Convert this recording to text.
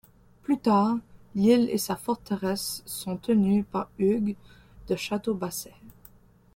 Plus tard, l'ile et sa forteresse sont tenues par Hugues de Château-Basset.